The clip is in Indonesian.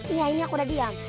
iya ini aku udah diam